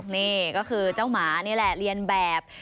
นี่ก็คือเจ้าหมานี่แหละเรียนแบบ